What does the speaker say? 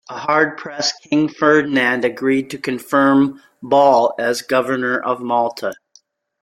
A hard pressed King Ferdinand agreed to confirm Ball as Governor of Malta.